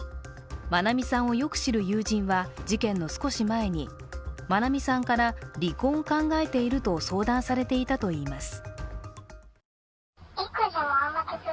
愛美さんをよく知る友人は事件の少し前に愛美さんから、離婚を考えていると相談されていたといいます。